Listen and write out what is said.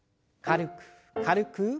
軽く軽く。